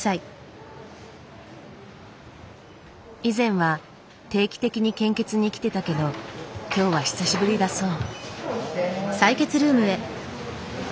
以前は定期的に献血に来てたけど今日は久しぶりだそう。